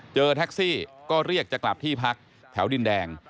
เจอแท็กซี่ก็เรียกจะกลับที่พักแถวดินแดง